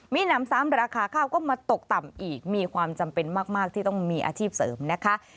มีหนำซ้ำราคาข้าวก็มาตกต่ำอีกมีความจำเป็นมากที่ต้องมีอาชีพเสริมนะคะ